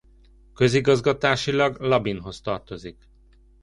Közigazgatásilag Labinhoz tartozik.